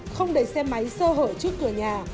không để xe máy sơ hở trước cửa nhà